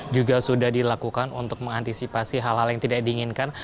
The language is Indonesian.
juga sudah dilakukan untuk mengantisipasi hal hal yang tidak diinginkan